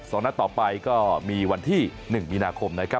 สองด้านต่อไปก็มีวันที่๑มีนาคมนะครับ